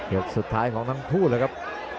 ยกสุดท้ายของทั้งคู่เลยครับ